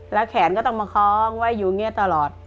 แล้วแขนก็ต้องมาค้องไว้อยู่เงียดตลอด